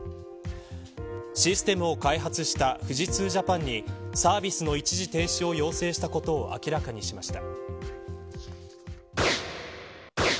システムを開発した富士通ジャパンにサービスの一時停止を要請したことを明らかにしました。